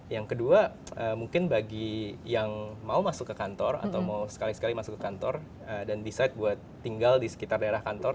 yang kedua mungkin bagi yang mau masuk ke kantor atau mau sekali sekali masuk ke kantor dan decide buat tinggal di sekitar daerah kantor